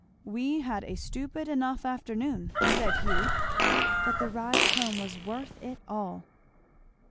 "We had a stupid enough afternoon," said Hugh. "But the ride home was worth it all!"